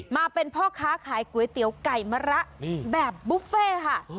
มาเป็นพ่อค้าขายก๋วยเตี๋ยวไก่มะระแบบบุฟเฟ่ค่ะ